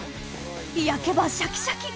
焼けばシャキシャキ！